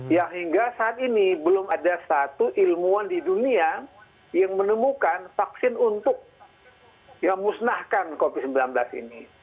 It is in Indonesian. yang hingga saat ini belum ada satu ilmuwan di dunia yang menemukan vaksin untuk yang musnahkan covid sembilan belas ini